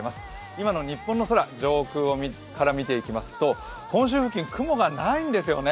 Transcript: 今の日本の空、上空から見てまいりますと、本州付近、雲がないんでしょうね。